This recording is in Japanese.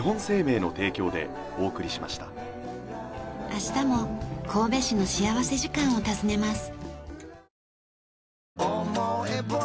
明日も神戸市の幸福時間を訪ねます。